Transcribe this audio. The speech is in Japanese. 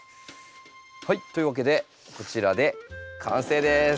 はいというわけでこちらで完成です。